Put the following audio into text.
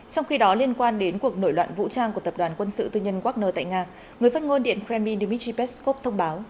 trong khi đó liên quan đến cuộc nổi loạn vũ trang của tập đoàn quân sự tư nhân wagner tại nga người phát ngôn điện kremlin dmitry peskov thông báo